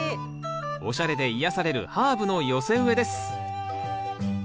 おしゃれで癒やされるハーブの寄せ植えです。